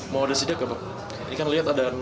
mau ada sidak apa